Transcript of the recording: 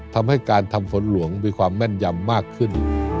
ทำให้การทำฝนหลวงมีความแม่นยำมากขึ้น